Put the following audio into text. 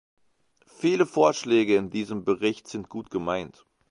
Viele Vorschläge in diesem Bericht sind gut gemeint.